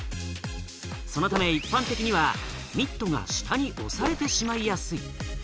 そのため一般的にはミットが下に押されてしまいやすい。